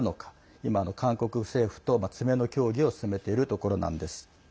今、韓国政府と詰めの協議を進めているところなんです。